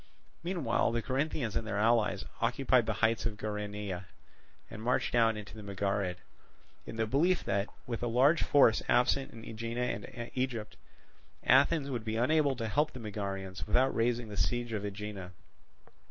Meanwhile the Corinthians and their allies occupied the heights of Geraneia, and marched down into the Megarid, in the belief that, with a large force absent in Aegina and Egypt, Athens would be unable to help the Megarians without raising the siege of Aegina.